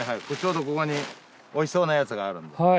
ちょうどここにおいしそうなやつがあるんで。